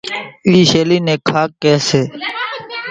اِي شيلي نين کاڪ ڪي سي